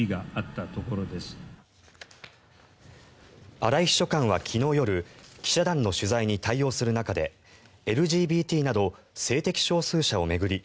荒井秘書官は昨日夜記者団の取材に対応する中でＬＧＢＴなど性的少数者を巡り